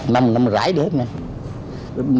năm rãi được hết nè